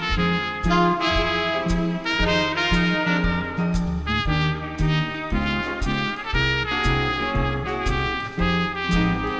ขอบความจากฝ่าให้บรรดาดวงคันสุขสิทธิ์